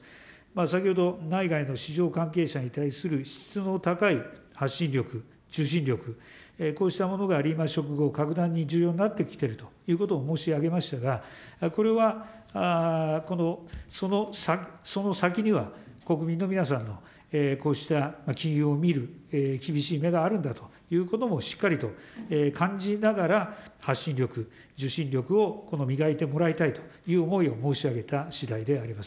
先ほど内外の市場関係者に対する質の高い発信力、受信力、こうしたものがリーマンショック後、格段に重要になってきているということを申し上げましたが、これはその先には、国民の皆さんの、こうした金融を見る厳しい目があるんだということも、しっかりと感じながら、発信力、受信力を磨いてもらいたいという思いを申し上げたしだいであります。